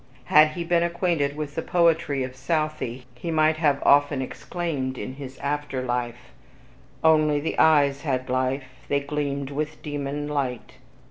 Had he been acquainted with the poetry of Southey, he might have often exclaimed in his after life, "Only the eyes had life, They gleamed with demon light."